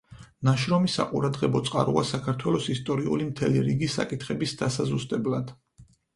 ნაშრომი საყურადღებო წყაროა საქართველოს ისტორიული მთელი რიგი საკითხების დასაზუსტებლად.